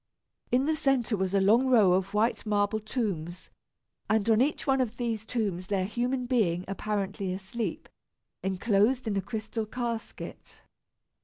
In the centre was a long row of white marble tombs, and on each one of these tombs lay a human being apparently asleep, enclosed in a crystal casket.